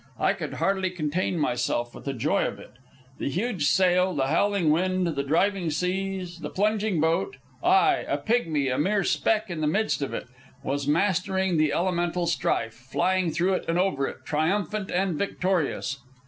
I could hardly contain myself with the joy of it. The huge sail, the howling wind, the driving seas, the plunging boat I, a pygmy, a mere speck in the midst of it, was mastering the elemental strife, flying through it and over it, triumphant and victorious.